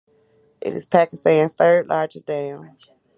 It is the Pakistan's third largest dam.